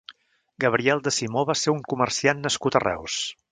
Gabriel de Simó va ser un comerciant nascut a Reus.